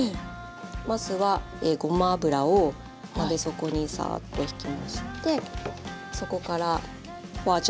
まずはごま油を鍋底にサッとひきましてそこから花椒。